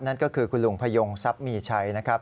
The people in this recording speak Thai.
นั่นก็คือคุณลุงพยงทรัพย์มีชัยนะครับ